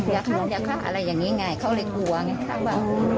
อย่าฆ่าอย่าฆ่าอะไรอย่างเงี้ยไงเขาเลยกลัวไงฆ่าแบบกลัว